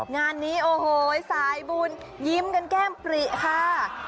งานนี้โอ้โหสายบุญยิ้มกันแก้มปริค่ะ